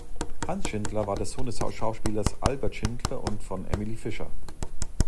Hans Schindler war der Sohn des Schauspielers Albert Schindler und von Emilie Fischer.